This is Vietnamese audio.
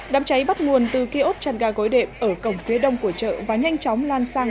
đám cháy bắt nguồn từ kiosk trần gà gối đệm ở cổng phía đông của chợ và nhanh chóng lan sang